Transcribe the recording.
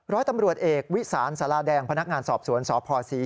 ร้อยตำรวจเอกวิสานสาราแดงพนักงานสอบสวนสพศรี